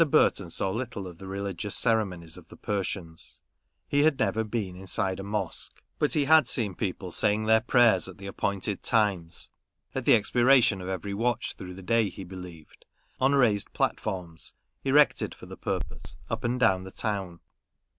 Burton saw little of the religious cere monies of the Persians, He had never been inside a mosque ; but had seen people saying their prayers at the appointed times (at the expiration of every watch through the day, he believed), on raised platforms, erected for the purpose, up and down the town.